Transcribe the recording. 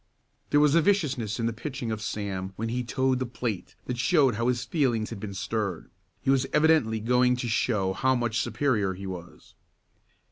There was a viciousness in the pitching of Sam when he toed the plate that showed how his feelings had been stirred. He was evidently going to show how much superior he was.